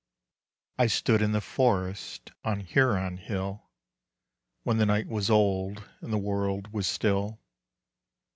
I stood in the forest on HURON HILL When the night was old and the world was still.